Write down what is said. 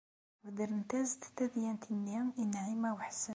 Bedrent-as-d tadyant-nni i Naɛima u Ḥsen.